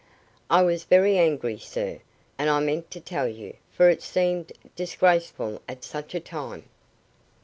"I was very angry, sir, and I meant to tell you, for it seemed disgraceful at such a time."